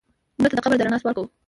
مړه ته د قبر د رڼا سوال کوو